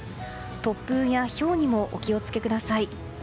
突風やひょうにもお気を付けください。